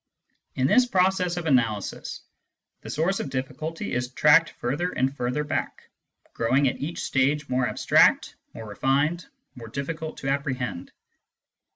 In this process of analysis, the source of difficulty is tracked further and further back, growing at each stage more abstract, more refined, more difficult to apprehend.